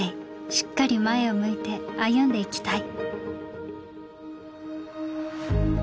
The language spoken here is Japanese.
しっかり前を向いて歩んでいきたい」。